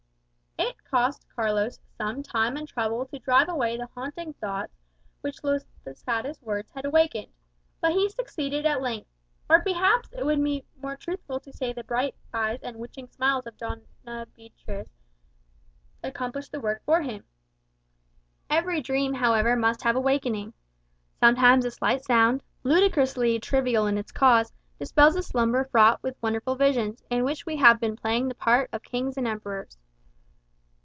It cost Carlos some time and trouble to drive away the haunting thoughts which Losada's words had awakened. But he succeeded at length; or perhaps it would be more truthful to say the bright eyes and witching smiles of Doña Beatrix accomplished the work for him. Every dream, however, must have a waking. Sometimes a slight sound, ludicrously trivial in its cause, dispels a slumber fraught with wondrous visions, in which we have been playing the part of kings and emperors.